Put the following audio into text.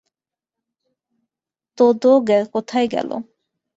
Todo কোথায় গেল?